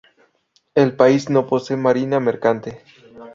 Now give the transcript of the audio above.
El país no posee marina mercante.